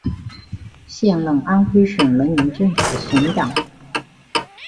现任安徽省人民政府省长。